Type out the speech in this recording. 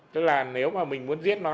tức là nếu mà mình muốn giết nó